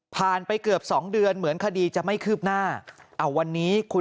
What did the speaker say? ไปเกือบสองเดือนเหมือนคดีจะไม่คืบหน้าวันนี้คุณ